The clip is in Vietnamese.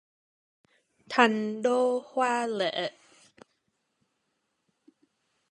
Thành đô hoa lệ